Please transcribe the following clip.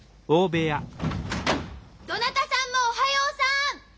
どなたさんもおはようさん！